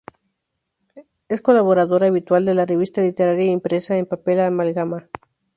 Es colaboradora habitual de la revista literaria e impresa en papel, Amalgama.